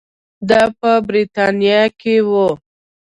دا په برېټانیا کې وو.